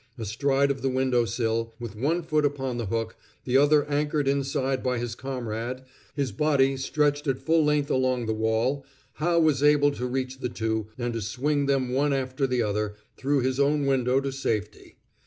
Astride of the window sill, with one foot upon the hook, the other anchored inside by his comrade, his body stretched at full length along the wall, Howe was able to reach the two, and to swing them, one after the other, through his own window to safety.